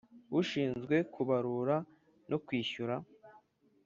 ushinzwe kubarura no kwishyura